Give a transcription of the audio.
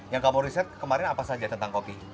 yang kamu riset kemarin apa saja